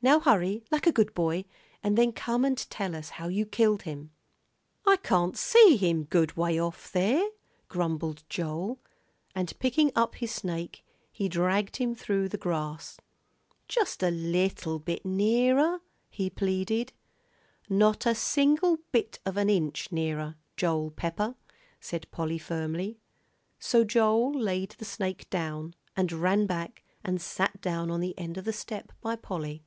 "Now hurry, like a good boy, and then come and tell us how you killed him." "I can't see him good, 'way off there," grumbled Joel, and picking up his snake he dragged him through the grass. "Just a little bit nearer," he pleaded. "Not a single bit of an inch nearer, Joel Pepper," said Polly, firmly. So Joel laid the snake down and ran back and sat down on the end of the step by Polly.